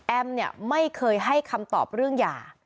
เนี่ยไม่เคยให้คำตอบเรื่องหย่า